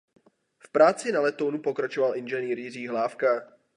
V práci na letounu pokračoval ing. Jiří Hlávka.